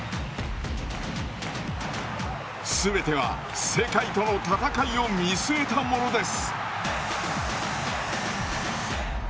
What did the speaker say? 全ては世界との戦いを見据えたものです。